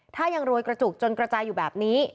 ถ้ายังรวยกระจุกจนกระจายอยู่แบบนี้